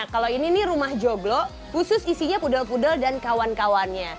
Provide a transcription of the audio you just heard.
kalau ini nih rumah joglo khusus isinya pudel pudel dan kawan kawannya